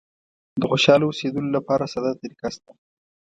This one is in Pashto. د خوشاله اوسېدلو لپاره ساده طریقه شته.